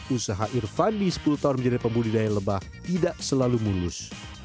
usaha irfandi sepuluh tahun menjadi pembudidaya lebah tidak selalu mulus